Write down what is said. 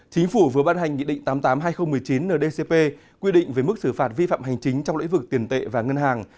chính phủ vừa ban hành nghị định tám mươi tám hai nghìn một mươi chín ndcp quy định về mức xử phạt vi phạm hành chính trong lĩnh vực tiền tệ và ngân hàng